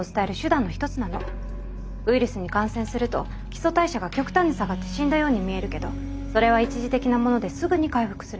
ウイルスに感染すると基礎代謝が極端に下がって死んだように見えるけどそれは一時的なものですぐに回復するの。